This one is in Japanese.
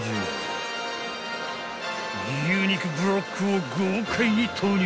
［牛肉ブロックを豪快に投入］